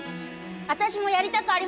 私もやりたくありません！